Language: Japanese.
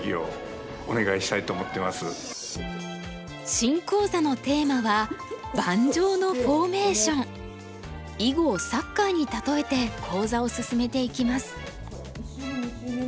新講座のテーマは囲碁をサッカーに例えて講座を進めていきます。